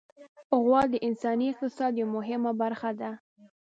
غوا د انساني اقتصاد یوه مهمه برخه ده.